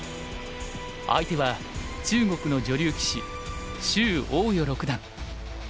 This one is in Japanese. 相手は中国の女流棋士周泓余六段。